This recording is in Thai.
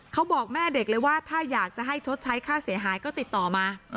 เขาบอกแม่เด็กเลยว่าถ้าอยากจะให้ชดใช้ค่าเสียหายก็ติดต่อมา